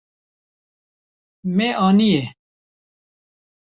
Me aniye.